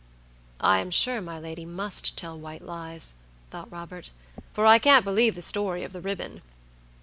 "I am sure my lady must tell white lies," thought Robert, "for I can't believe the story of the ribbon."